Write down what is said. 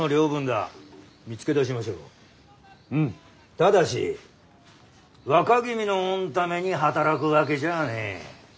ただし若君の御為に働くわけじゃねえ。